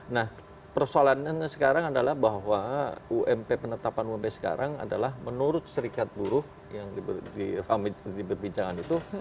nah persoalannya sekarang adalah bahwa ump penetapan ump sekarang adalah menurut serikat buruh yang diperbincangkan itu